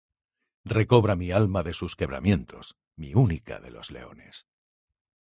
Recobra mi alma de sus quebrantamientos, mi única de los leones.